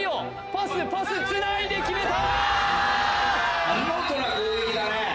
パスパスつないで決めた！